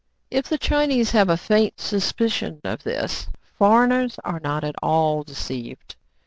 If the Chinese have a faint suspicion of this, foreigners are not at all deceived.